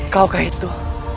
kau kah itu